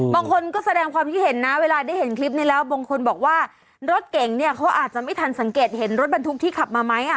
บางคนก็แสดงความคิดเห็นนะเวลาได้เห็นคลิปนี้แล้วบางคนบอกว่ารถเก่งเนี่ยเขาอาจจะไม่ทันสังเกตเห็นรถบรรทุกที่ขับมาไหม